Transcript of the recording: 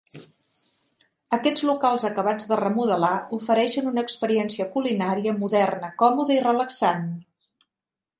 Aquests locals acabats de remodelar ofereixen una experiència culinària moderna, còmoda i relaxant.